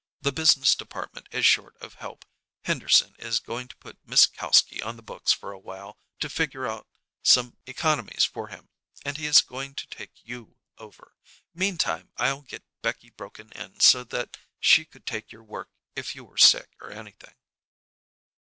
The business department is short of help. Henderson is going to put Miss Kalski on the books for a while to figure out some economies for him, and he is going to take you over. Meantime I'll get Becky broken in so that she could take your work if you were sick or anything."